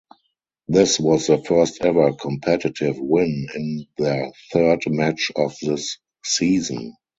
This was their first ever competitive win in their third match of this season.